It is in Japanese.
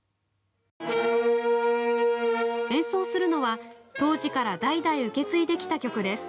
演奏するのは、当時から代々受け継いできた曲です。